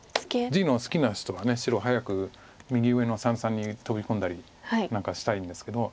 地の好きな人は白早く右上の三々にトビ込んだり何かしたいんですけど。